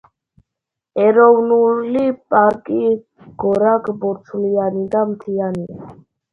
ეროვნული პარკი გორაკ–ბორცვიანი და მთიანია.